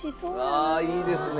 ああいいですね。